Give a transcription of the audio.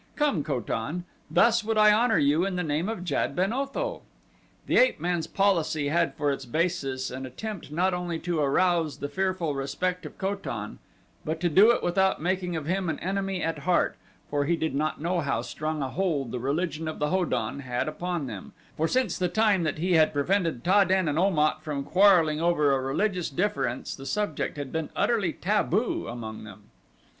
Come, Ko tan; thus would I honor you in the name of Jad ben Otho." The ape man's policy had for its basis an attempt not only to arouse the fearful respect of Ko tan but to do it without making of him an enemy at heart, for he did not know how strong a hold the religion of the Ho don had upon them, for since the time that he had prevented Ta den and Om at from quarreling over a religious difference the subject had been utterly taboo among them.